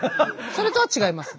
それとは違いますね？